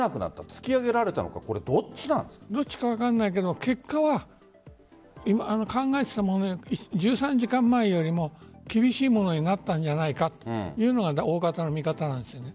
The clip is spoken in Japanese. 突き上げられたのかどっちか分からないけど結果は考えていたものより１３時間前よりも厳しいものになったんじゃないかというのが大方の見方なんです。